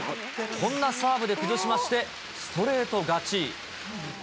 こんなサーブで崩しまして、ストレート勝ち。